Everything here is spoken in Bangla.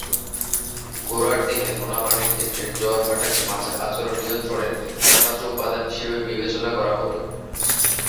গোড়ার দিকে নোনা পানির ক্ষেত্রে জোয়ার-ভাটাকে মাছের আচরণ নিয়ন্ত্রণের একমাত্র উপাদান হিসেবে বিবেচনা করা হত।